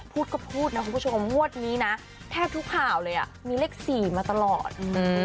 พูดก็พูดนะคุณผู้ชมงวดนี้นะแทบทุกข่าวเลยอ่ะมีเลข๔มาตลอด